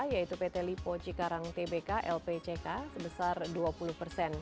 yaitu pt lipo cikarang tbk lpck sebesar dua puluh persen